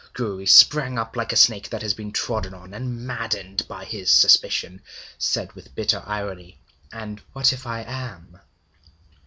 Gouri sprang up like a snake that has been trodden on, and, maddened by his suspicion, said with bitter irony: 'And what if I am?'